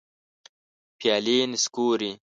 پیالي نسکوري